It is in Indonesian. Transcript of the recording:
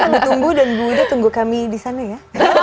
bu tunggu dan ibu wida tunggu kami di sana ya